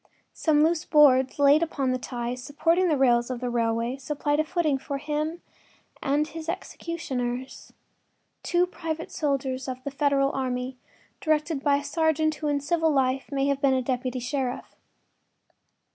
Some loose boards laid upon the ties supporting the rails of the railway supplied a footing for him and his executioners—two private soldiers of the Federal army, directed by a sergeant who in civil life may have been a deputy sheriff.